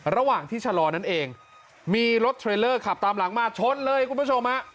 ระหว่างที่ชะลอนั่นเองมีรถเทรลเลอร์ขับตามหลังมาชนเลยคุณผู้ชมฮะ